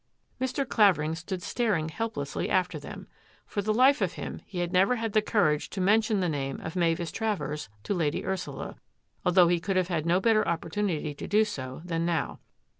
Mr. Clavering stood staring helplessly after them. For the life of him he had never had the courage to mention the name of Mavis Travers to Lady Ursula, although he could have had no better opportunity to do so than now.